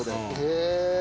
へえ。